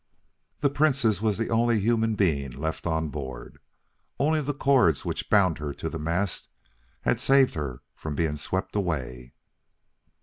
The Princess was the only human being left on board. Only the cords which bound her to the mast had saved her from being swept away.